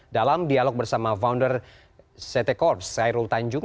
dalam dialog bersama founder ct corp syairul tanjung